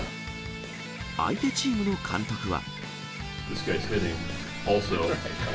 相手チームの監督は。